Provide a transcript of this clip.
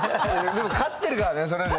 でも勝ってるからねそれで。